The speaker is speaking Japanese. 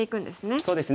そうですね。